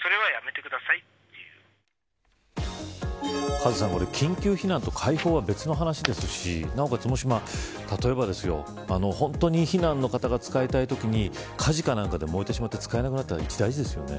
カズさん、緊急避難と開放は別の話ですしなおかつ、例えば本当に避難の方が使いたいときに火事かなんかで燃えてしまって使えなくなったら一大事ですよね。